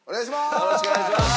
よろしくお願いします。